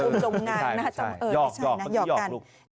เออจงงานนะฮะจำเอ่ยใช่นะหยอกกัน